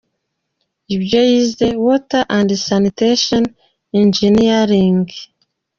Ibyo yize: Water and Sanitation Engineering.